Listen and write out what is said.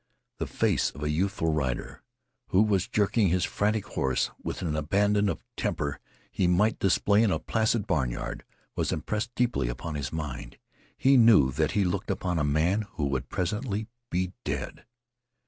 The face of a youthful rider, who was jerking his frantic horse with an abandon of temper he might display in a placid barnyard, was impressed deeply upon his mind. He knew that he looked upon a man who would presently be dead.